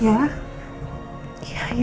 di saat mama harus memulihkan kesehatannya